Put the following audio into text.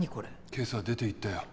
今朝出ていったよ